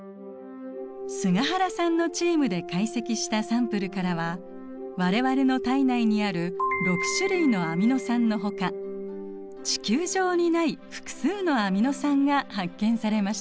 菅原さんのチームで解析したサンプルからは我々の体内にある６種類のアミノ酸のほか地球上にない複数のアミノ酸が発見されました。